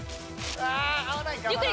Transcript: ゆっくり！